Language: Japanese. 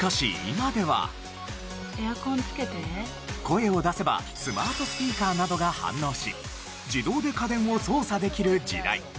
声を出せばスマートスピーカーなどが反応し自動で家電を操作できる時代。